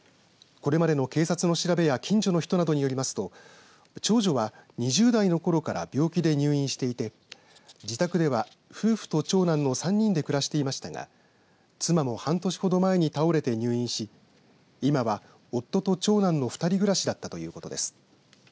これまでの警察の調べや近所の人などによりますと長女は２０代のころから病気で入院していて自宅では夫婦と長男の３人で暮らしていましたが妻も半年ほど前に倒れて入院し今は夫と長男の２人暮らしだったということです。